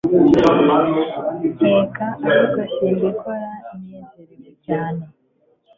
Nteka ariko simbikora nezerewe cyane